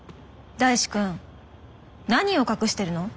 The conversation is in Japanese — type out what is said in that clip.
大志くん。何を隠してるの？